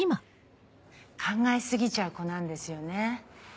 考え過ぎちゃう子なんですよね。